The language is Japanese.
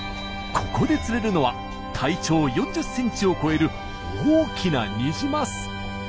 ここで釣れるのは体長４０ｃｍを超える大きなニジマス。